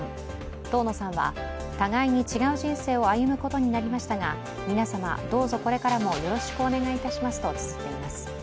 遠野さんは、互いに違う人生を歩むことになりましたが皆様どうぞこれからもよろしくお願いいたしますとつづっています。